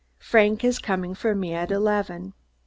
Frank is coming for me at eleven.